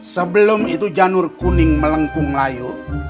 sebelum itu janur kuning melengkung melayu